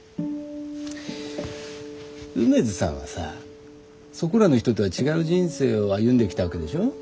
梅津さんはさそこらの人とは違う人生を歩んできたわけでしょ？